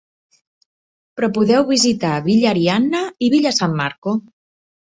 Però podeu visitar Villa Arianna i Villa San Marco.